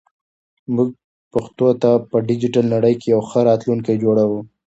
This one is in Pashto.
موږ پښتو ته په ډیجیټل نړۍ کې یو ښه راتلونکی جوړوو.